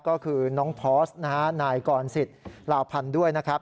ก็คือน้องพอร์สนะฮะนายกรสิทธิ์ลาวพันธ์ด้วยนะครับ